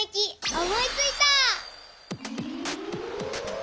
おもいついた！